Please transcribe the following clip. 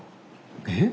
えっ？